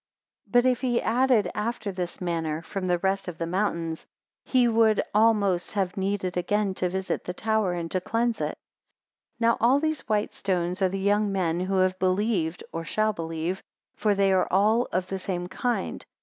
253 But if he had added after this manner, from the rest of the mountains, he would almost have needed again to visit the tower, and to cleanse it. 254 Now all these white stones are the young men who have believed, or shall believe; for they are all of the same kind.